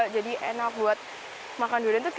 jadi enak buat makan durian